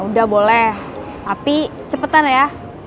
udah boleh tapi cepetan ya